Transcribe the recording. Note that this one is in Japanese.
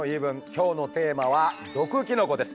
今日のテーマは「毒キノコ」です。